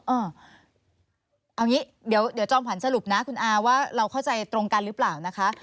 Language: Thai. เอาอย่างนี้เดี๋ยวจอมขวัญสรุปนะคุณอาว่าเราเข้าใจตรงกันหรือเปล่านะคะ